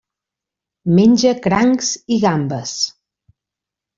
Menja crancs i gambes.